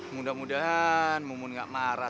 mudah mudahan mumun gak marah